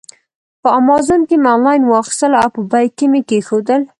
په امازان کې مې آنلاین واخیستل او په بیک کې مې کېښودل.